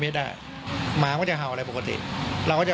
เพราะที่ยังมีกระโหลกศีรษะด้วย